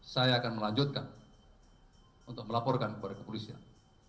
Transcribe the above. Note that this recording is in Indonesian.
saya akan melanjutkan untuk melaporkan kepada kepolisian